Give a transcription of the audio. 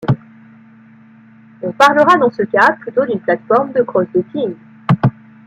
On parlera dans ce cas plutôt d'une plateforme de cross-docking.